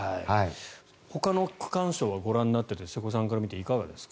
ほかの区間賞はご覧になっていて瀬古さんから見ていかがですか？